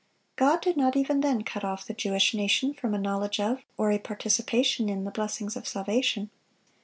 God did not even then cut off the Jewish nation from a knowledge of, or a participation in, the blessings of salvation.